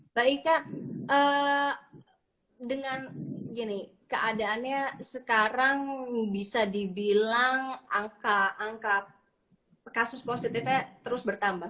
mbak ika dengan gini keadaannya sekarang bisa dibilang angka kasus positifnya terus bertambah